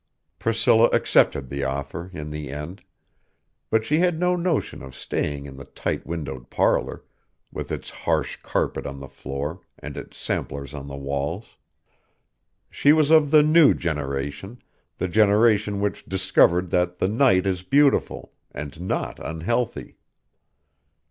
Priscilla accepted the offer, in the end; but she had no notion of staying in the tight windowed parlor, with its harsh carpet on the floor, and its samplers on the walls. She was of the new generation, the generation which discovered that the night is beautiful, and not unhealthy.